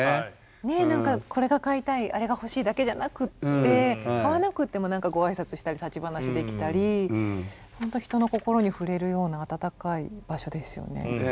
ねっ何かこれが買いたいあれが欲しいだけじゃなくって買わなくっても何かご挨拶したり立ち話できたりほんと人の心に触れるような温かい場所ですよね。